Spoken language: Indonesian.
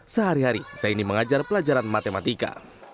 sehari hari zaini mengajar pelajaran matematika